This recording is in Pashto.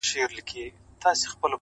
پوه انسان له هر حالت څه زده کوي’